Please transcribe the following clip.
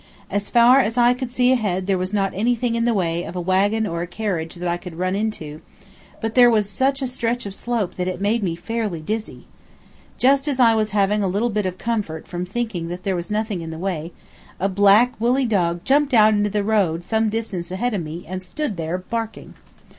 As far as I could see ahead there was not anything in the way of a wagon or a carriage that I could run into, but there was such a stretch of slope that it made me fairly dizzy. Just as I was having a little bit of comfort from thinking there was nothing in the way, a black woolly dog jumped out into the road some distance ahead of me and stood there barking.